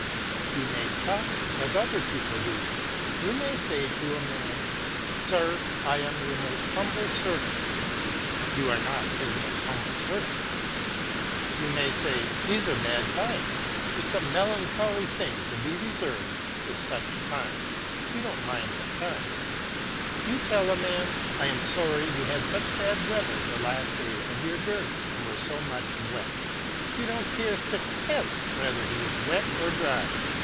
You may talk as other people do. You may say to a man, • Sir, I am your most humble servant.' You are not his most humble servant. You may say, ' These are bad times ; it's a melancholy thing to be reserved to such times.' You don't mind the times. You tell a man, ' I am sorry you had such bad weather the last day of your journey and were so much wet.' You don't care sixpence whether he is wet or dry.